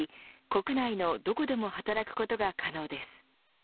国内のどこでも働くことが可能です。